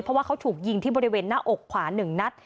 เพราะว่าเขาถูกยิงที่บริเวณหน้าอกขวา๑นัด